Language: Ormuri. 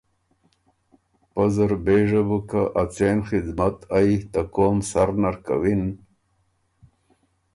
پۀ زر بېژه بو که ا څېن خدمت ائ ته قوم سر نر کَوِن